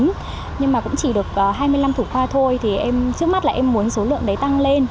hai mươi năm thủ khoa thôi thì em trước mắt là em muốn số lượng đấy tăng lên